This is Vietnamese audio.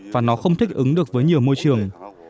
và nó không thích ứng được với nhiều môi trường